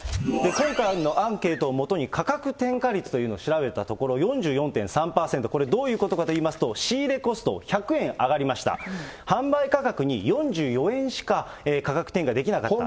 今回のアンケートをもとに価格転嫁率というのを調べたところ、４４．３％、これどういうことかといいますと、仕入れコスト１００円上がりました、販売価格に４４円しか価格転嫁できなかった。